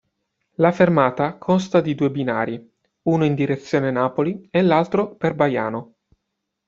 La fermata consta di due binari, uno in direzione Napoli e l'altro per Baiano.